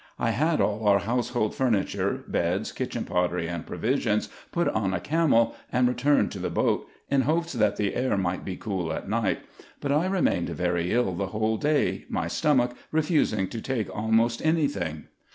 I had all our household furniture, beds, kitchen pottery, and provisions, put on a camel, and returned to the boat, in hopes that the air might be cool at night ; but I remained very ill the whole day, my stomach refusing to take almost any thing.